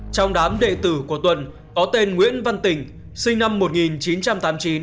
trong đám đệ tử của tuần có tên nguyễn văn tình sinh năm một nghìn chín trăm tám mươi chín